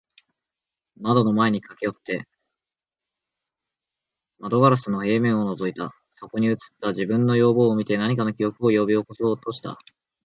……窓の前に駈け寄って、磨硝子の平面を覗いた。そこに映った自分の容貌を見て、何かの記憶を喚び起そうとした。